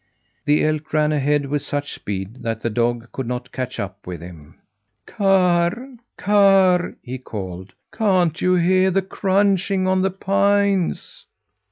The elk ran ahead with such speed that the dog could not catch up with him. "Karr, Karr!" he called; "can't you hear the crunching on the pines?"